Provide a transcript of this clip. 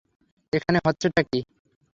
এখানে হচ্ছেটা কী?